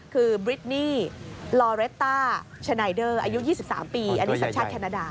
คือบริดนี่ลอเรตต้าชนายเดอร์อายุ๒๓ปีอันนี้สัญชาติแคนาดา